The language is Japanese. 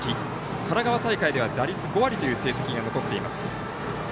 神奈川大会では打率５割という成績が残っています。